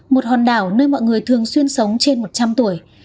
một hòn đảo nơi mọi người thường xuyên sống trên một trăm linh tuổi